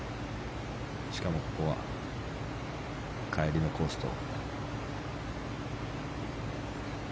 しかもここは帰りのコースと。